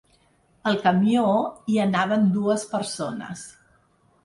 Al camió hi anaven dues persones.